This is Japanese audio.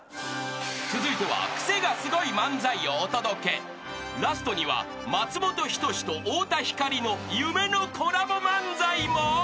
［続いてはクセがスゴい漫才をお届け］［ラストには松本人志と太田光の夢のコラボ漫才も］